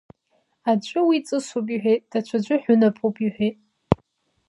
Аӡәы уи ҵысуп иҳәеит, даҽаӡәы ҳәынаԥуп иҳәеит.